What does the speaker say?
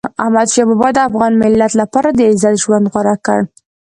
احمدشاه بابا د افغان ملت لپاره د عزت ژوند غوره کړ.